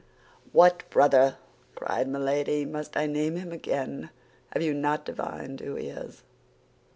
"What, brother!" cried Milady, "must I name him again? Have you not yet divined who he is?"